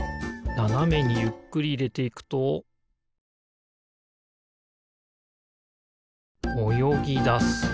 ななめにゆっくりいれていくとおよぎだす